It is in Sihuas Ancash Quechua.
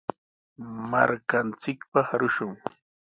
Markanchikpaq arushun.